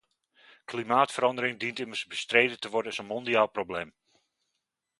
Klimaatverandering dient immers bestreden te worden als een mondiaal probleem.